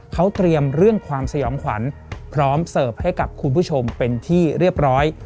เขาเตรียมเรื่องความสยองขวัญพร้อมเสิร์ฟให้กับคุณผู้ชมเป็นที่เรียบร้อย